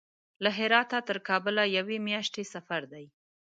له هراته تر کابل یوې میاشتې سفر دی.